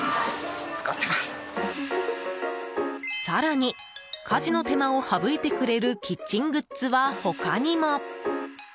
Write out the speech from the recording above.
更に家事の手間を省いてくれるキッチングッズは他にも。